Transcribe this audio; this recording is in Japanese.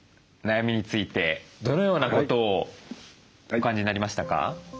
悩みについてどのようなことをお感じになりましたか？